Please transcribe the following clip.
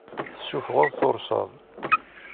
Tessuffɣeḍ tursaḍ.